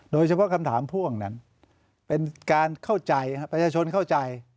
คำถามพ่วงนั้นเป็นการเข้าใจประชาชนเข้าใจ